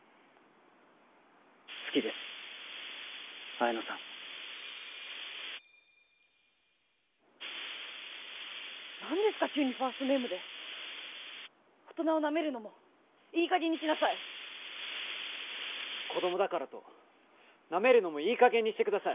好きです彩乃さん何ですか急にファーストネームで大人をなめるのもいい加減にしなさい子供だからとなめるのもいい加減にしてください